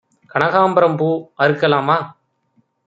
கனகாம்பரம் பூ அறுக்கலாமா?